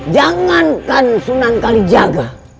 jangankan sunan kali jaga